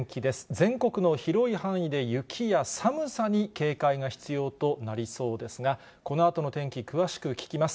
全国の広い範囲で雪や寒さに警戒が必要となりそうですが、このあとの天気、詳しく聞きます。